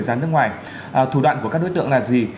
ra nước ngoài thủ đoạn của các đối tượng là gì